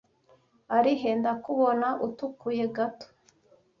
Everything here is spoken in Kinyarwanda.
ari he ndakubona utukuye gato